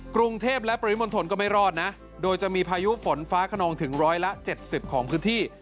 กรุงเทพและปริมณฑลก็ไม่รอดนะโดยจะมีพายุฝนฟ้าขนองถึงร้อยละ๗๐ของพื้นที่